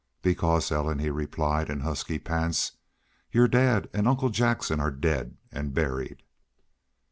"Because Ellen " he replied, in husky pants, "your dad an' uncle Jackson are daid an' buried!"